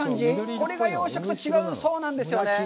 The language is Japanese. これが養殖と違うそうなんですよね。